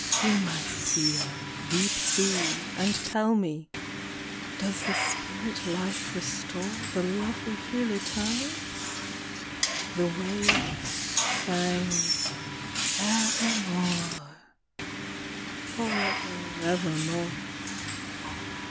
Be my seer, deep sea, and tell me, does the spirit life restore The love we feel eternal ? The waves sang, " Evermore," forever evermore.